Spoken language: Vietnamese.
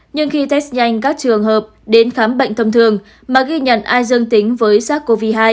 nhưng khi test nhanh các trường hợp đến khám bệnh thông thường mà ghi nhận ai dương tính với sars cov hai